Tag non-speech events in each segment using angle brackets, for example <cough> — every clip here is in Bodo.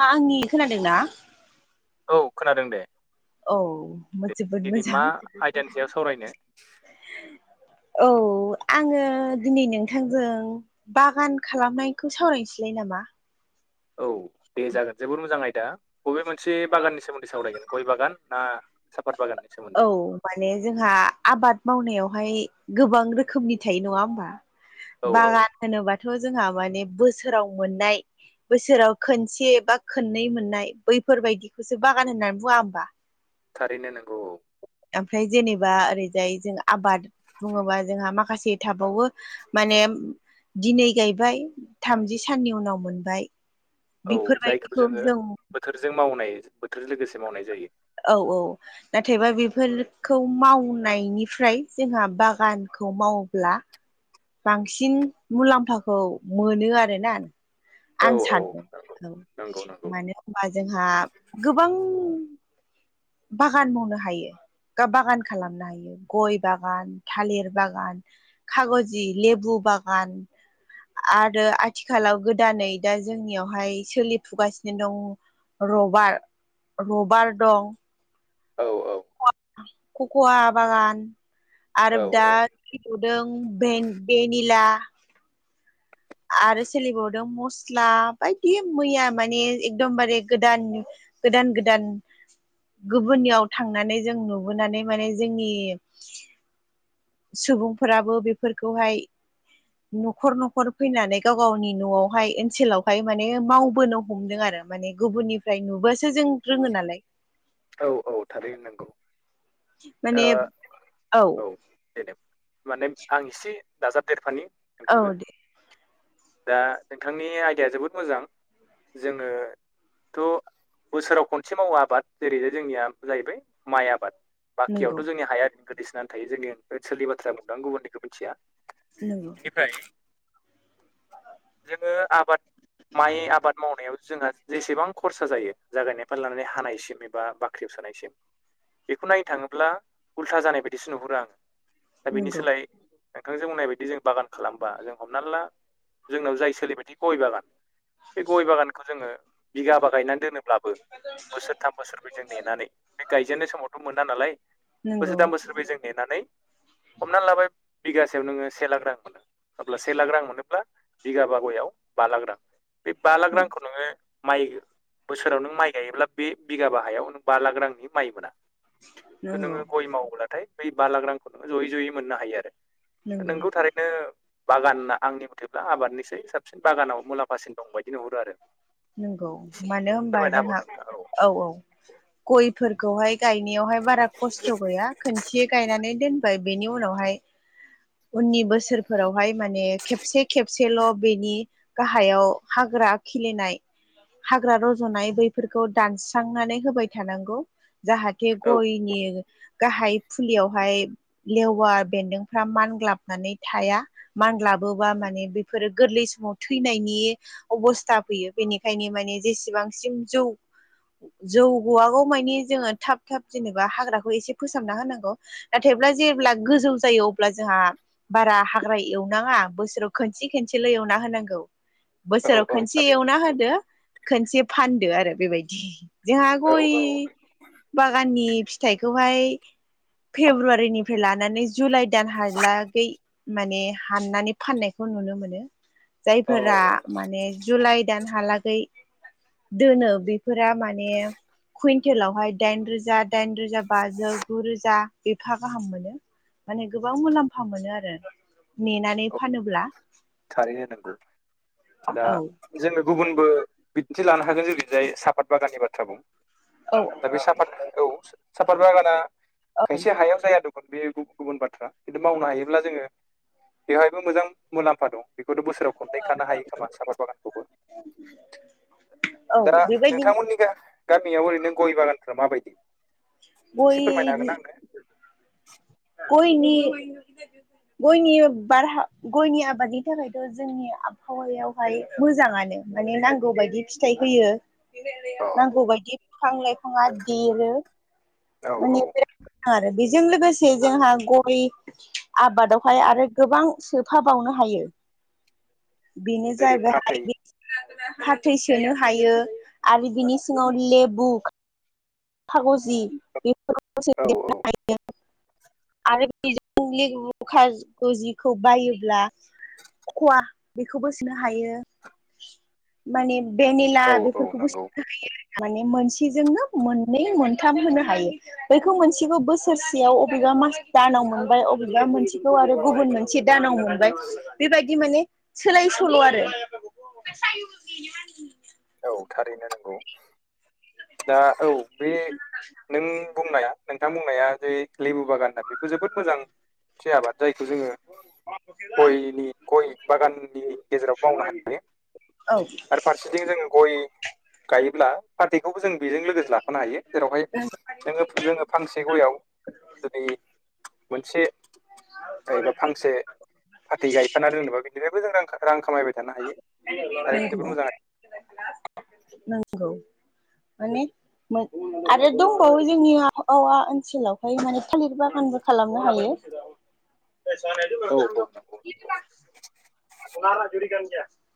नोंथाङा आंनि खोनादों ना औ खोनादों दे औ दे जोबोद दिनै मोजां मा आयदानि सायाव सावरायनो <inaudible> औ आङो दिनै नोंथांजों बागान खालामनायखौ सावरायनोसैलाय नामा औ दे जागोन जोबोर मोजां आयदा बबे मोनसे बागाननि सोमोन्दै सावरायगोन गय बागान ना साफात बागान औ माने जोंहा आबाद मावनायावहाय गोबां रोखोमनि थायो नङा होमबा औ औ बागान होनोबाथ' जोंहा माने बोसोराव मोननाय बोसोराव खोनसे बा खननै मोननाय बैफोरबायदिखौसो बागान होननानै बुङा होमबा थारैनो नंगौ औ ओमफ्राय जेनेबा ओरैजाय जों आबाद बुङोबा जोंहा माखासे थाबावो माने दिनै गायबाय थामजि साननि उनाव मोनबाय औ औ जायखौ बेफोरबायदिखौ जोङो जों बोथोरजों मावनाय बोथोरजों लोगोसे मावनाय जायो औ औ नाथायबा बेफोरखौ मावनायनिफ्राय जोंहा बागानखौ मावोब्ला बांसिन मुलाम्फाखौ मोनो आरोना आं औ सानो औ नंगौ नंगौ मानो होनबा जोंहा गोबां बागान मावनो हायो बागान खालामनो हायो गय बागान थालिर बागान खागजि लेबु बागान आरो आथिखालाव गोदानै दा जोंनियावहाय सोलिफुगासिनो दं रबार रबार दं औ औ खक'वा बागान आरो दा औ फिदौदों भेन भेनिला आरो सोलिबावदों मस्ला बायदि मैया माने एकदमबारे गोदान गोदान गोदान गुबुननियाव थांनानै जों नुबोनानै माने जोंनि सुबुंफोराबो बेफोरखौहाय न'खर न'खर फैनानै गाव गावनि न'आवहाय ओनसोलावहाय माने मावबोनो हमदों आरो माने गुबुननिफ्राय नुबबोसो जों रोङो नालाय औ औ थारैनो नंगौ <inaudible> ओ औ देनाय माने आं एसे दाजाबदेरफानि औ नोंथांजों दे दा नोंथांनि आयदाया जोबोद मोजां जोङो थ' बोसोराव खनसे मावो आबाद जेरै जोंनिया जाहैबाय माइ आबाद। नंगौ बाखियावथ' जोंनि हाया ओरैनो गोदैसोनानै थायो जोंनि सोलि बाथ्रा बुंदों आं गुबुननिखौ मिथिया। नोंगौ जोङो आबाद माइ आबाद मावनायाव जोंहा जेसेबां खरसा जायो जागायनायफ्राय लानानै हानायसिम एबा बा ख्रेबसानायसिम बेखौ नाय थाङोब्ला उल्था जानाय बायदिसो नुहुरो आङो दा बेनि नंगौ सोलाय नोंथांजों बुंनाय बायदि जों बागान खालामबा जों हमनानै ला जोंनाव जाय सोलिबायदि गय बागान बे गय बागानखौ जोङो बिगाबा गायनानै दोनोब्लाबो बोसोरथाम बोसोर बै जों नेनानै बे गायजेननाय समावथ' मोन जानालाय नंगौ बोसोरथाम बोसोरबै जों नेनानै हमनानै लाबाय बिगासेयाव नोङो से लाख रां मोनो। अब्ला से लाख रां मोनोब्ला बिगाबा गयाव बा लाख रां बे बा लाख रांखौ नोङो माइ बोसोराव नों माइ गायोब्ला बे बिगाबा हायाव नों बा लाख रांनि माइ मोना। खिनथु नंगौ नोङो गय मावोब्लाथाय बै बा लाख रांखौ नोङो जयै जयै मोननो हायो आरो दा नंगौ नोंगौ थारै बिनो बागान आंनि मथेब्ला आबादनिसै साबसिन बागानाव मुलाम्फासिन दं बायदि नुहरो आरो। नंगौ मानो होनबा फोरमायना होबावदो जोंहा नोंथां औ औ गयफोरखौहाय गायनायावहाय बारा खस्थ' गैया खोनसे गायनानै दोनबाय बेनि उनावहाय उननि बोसोरफोरावहाय माने खेबसे खेबसेल' बेनि गाहायाव हाग्रा खिलिनाय हाग्रा रज'नाय बैफोरखौ दानस्रांनानै होबाय थानांगौ। जाहाथे औ गयनि गाहाय फुलियावहाय लेवार बेन्दोंफ्रा मानग्लाबनानै थाया। मानलाबोबा माने बेफोरो गोरलै समाव थैनायनि अबस्था फैयो। बेनिखायनो माने जेसेबांसिम जौ जौगवागौ मानि जोङो थाब थाब जेनेबा हाग्राखौ एसे फोसाबना होनांगौ। नाथायब्ला जेब्ला गोजौ जायो अब्ला जोंहा बारा हाग्रा एवनाङा बोसोराव खनसे खनसेल' एवना होनांगौ। औ औ बोसोराव औ खनसे एवना थारैनो होन खनसे फानदो आरो बेबायदि जोंहा औ गय औ बागाननि फिथाइखौहाय फेब्रुवारिनिफ्राय लानानै जुलाइ दानहालागै माने हाननानै फाननायखौ नुनो मोनो। औ जायफोरा औ माने जुलाइ दान हालागै दोनो बेफोरा माने कुइन्टेलावहाय दाइन रोजा दाइन रोजा बाजौ गु रोजा एफा गाहाम मोनो। माने गोबां मुलाम्फा मोनो आरो नेनानै औ फानोब्ला। थारैनो नांगौ औ दा जोङो गुबुनबो बिदिन्थि लानो हागोन जोंजाय साफात बागाननि बाथ्रा बुं औ दा बे साफात औ साफात बागाना औ मोनसे हायाव जाया दं। बे गुबुन गुबुन बाथ्रा खिनथु मावनो हायोब्ला जोङो बेवहायबो मोजां मुलाम्फा दं। बेखौथ' बोसोराव खननै खानो हायो खोमा साफाद बागानखौबो औ दा बेबायदिनो नोंथांमोननिखा गामियाव ओरैनो गय बागानफ्रा माबायदि एसे फोरमायनो गय हागोन आंनो? गयनि गयनि बारहा गयनि आबादनि थाखायथ' जोंनि आबहावायावहाय मोजाङानो माने नांगौ बायदि फिथाइ होयो। अ नांगौ बायदि बिफां लाइफांङा देरो औ माने औ बेराद आरो बेजों लोगोसे जोंहा गय आबादावहाय आरो गोबां सोफा बावनो हायो। बिनो जेरै जाबाय फाथै <unintelligible> फाथै सोनो हायो आरो बिनि सिङाव लेबु फागजि बे औ औ <inaudible> आरो बेजों <inaudible> खाजिखौ बायोब्ला खवा बेखौबो सोनो हायो। माने भेनिला औ औ बेफोरखौबो नंगौ सोनो हायो आरोना माने मोनसेजोंनो नै मोनथाम होनो हायो। बैखौ मोनसेखौ बोसोरसेयाव अबेबा मास दानाव मोनबाय अबेबा मोनसेगौ आरो गुबुन मोन से दानाव मोनबाय बेबायदि माने सोलाय-सोल' आरो। औ थारैनो नंगौ दा औ। बे नों बुंनाया नोंथां बुंनाया जे लेबु बागान होनना बेबो जोबोद मोजां से आबाद जायखौ जोङो गयनि गय बागाननि गेजेराव मावनो हायो। औ आरो फारसेथिं जोङो गय गायोब्ला फाथैखौबो जों बेजों लोगोसे लाफानो हायो जेरावहाय नोङो जोङो फांसे गयाव जुदि मोनसे एबा फांसे फाथै गायफाना दोनोबा बेनिफ्रायबो जों रां खा रां खामायबाय थानो हायो थारैनो जोबोद मोजां <inaudible> नोंगौ माने। मो आरो दंबावो जोंनि आबहावा ओनसोलावहाय माने थालिर बागानबो खालामनो हायो। <unintelligible> औ नंगौ <inaudible>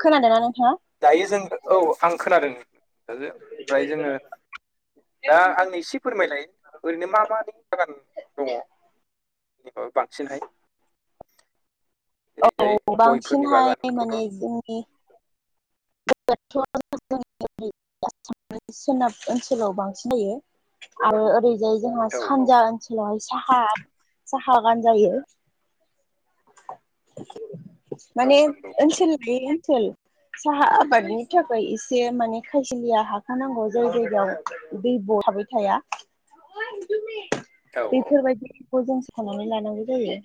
<inaudible> खोनादोंना नोंथाङा? दायो जों औ आं खोनादों। <inaudible> फ्राय जोङो दा आंनि एसे फोरमायलाय ओरैनो मा मानि बागान दङ'। ओ बांसिनहाय औ ओरैजाय गयफोरनि बांसिनहाय बागानखौथ' माने जों <inaudible> आसाम <inaudible> सोनाब ओनसोलाव बांसिन जायो। आरो ओरैजाय जोंहा औ औ सानजा ओनसोलावहाय साहा साहा बागान जायो। <inaudible> औ माने नंगौ ओनसोल बे ओनसोल साहा आबादनि थाखाय एसे माने खायसेलिया हाखौ नांगौ जाय जायगायाव दैब' थाबाय थाया। <unintelligible> बेफोर बायदिखौ जों सानानै लानांगौ जायो।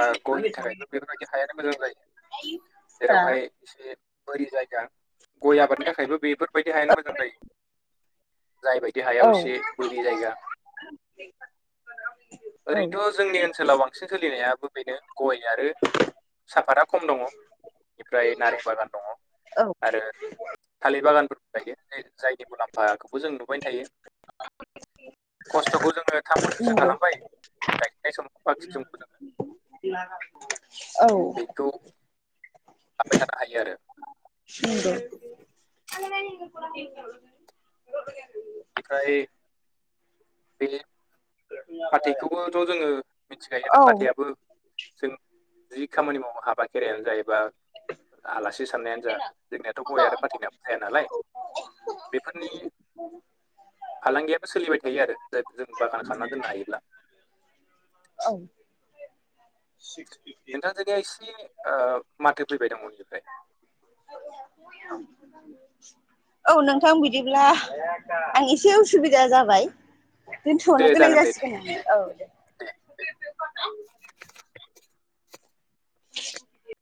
आ गयनि थाखायबो बेफोर बायदि हायानो मोजां जायो जेरावहाय एसे बोरि जायगा गय आबादनि थाखायबो बेफोर बायदि हायानो मोजां जायो। <inaudible> बे हायाव औ एसे बोरि जायगा औ ओरैनोथ' जोंनि ओनसोलाव बां बांसिन सोलिनायाबो बेनो गय आरो साफातआ खम दङ'। बेनिफ्राय नारें बागान दङ' आरो थालिर बागानफोरबो थायो। जायनि मुलाम्फाखौबो जों नुबायनो थायो। खस्थ'खौ जोङो थाम बोसोरसो नंगौ औ नंगौ खालामबाय गायजेननाय समाव बाखि समखौ जोङो <inaudible> औ बेखौ थाबाय थानो हायो आरो <inaudible> नंगौ <inaudible> निफाय बे फाथैखौबोथ' जोङो मिथिखायोयानो औ फाथैयाबो जों जि खामानि मावो हाबा खेरायानो जा एबा आलासि साननायानो जा जोंनियाथ' गय आरो फाथै जाया नालाय बेफोरनि फालांगियाबो सोलिबाय थायो आरो जाय जों बागान खालामना दोननो हायोब्ला औ सिक्सटि नोंथां जोनिया एसे ओ माथो फैबाय दं <unintelligible> <inaudible> औ नोंथां बिदिब्ला आं एसे उसुबिदा जाबाय दोनथ'नो दे गोनां जागोन दे दे जासिगोन नोङो औ दे <inaudible>